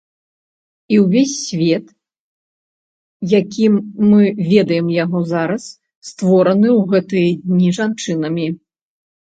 І ўвесь свет, якім мы ведаем яго зараз, створаны ў гэтыя дні жанчынамі.